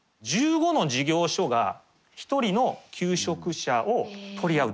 １５の事業所が１人の求職者を取り合う。